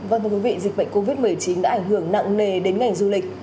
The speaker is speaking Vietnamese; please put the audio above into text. vâng thưa quý vị dịch bệnh covid một mươi chín đã ảnh hưởng nặng nề đến ngành du lịch